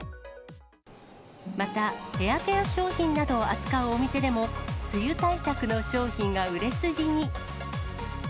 また、ヘアケア商品などを扱うお店でも、梅雨対策の商品が売れ筋に。